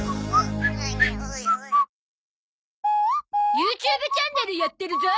ＹｏｕＴｕｂｅ チャンネルやってるゾ。